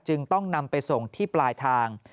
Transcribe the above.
จึงต้องนำไปส่งที่ปลายทาง